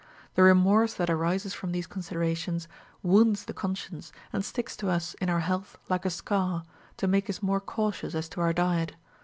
The remorse that arises from these considera tions wounds the conscience, and sticks to us in our health like a scar, to make us more cautious as to our diet.